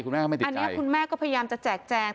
อันนี้คุณแม่ก็พยายามจะแจกแจง